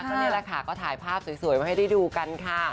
ก็นี่แหละค่ะก็ถ่ายภาพสวยมาให้ได้ดูกันค่ะ